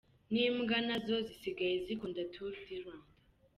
N’imbwa nazo zisigaye zikunda Tour du Rwanda.